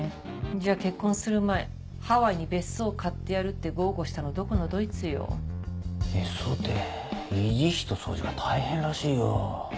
じゃ結婚する前ハワイに別荘買ってやるって豪語したのどこのどいつよ。別荘って維持費と掃除が大変らしいよ。